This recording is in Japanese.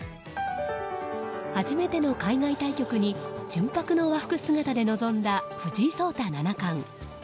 初めての海外対局に純白の和服姿で臨んだ藤井聡太七冠。